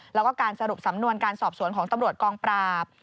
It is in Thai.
แล้วก็การสรุปสำนวนการสอบสวนของตำรวจกองปราบ